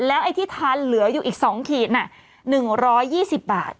แล้วไอ้ที่ทานเหลืออยู่อีกสองขีดน่ะหนึ่งร้อยยี่สิบบาท